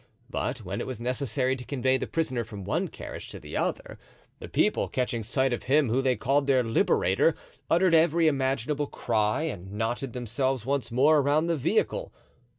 But when it was necessary to convey the prisoner from one carriage to the other, the people, catching sight of him whom they called their liberator, uttered every imaginable cry and knotted themselves once more around the vehicle.